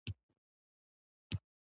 د کوکنارو پوټکی د درد د ارام لپاره وکاروئ